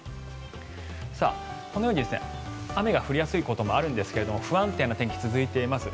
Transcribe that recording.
このように雨が降りやすいこともあるんですが不安定な天気が続いています。